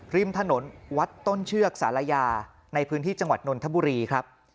ริมถนนวัดต้นเชือกศาลายาในพื้นที่จังหวัดนนทบุรีครับ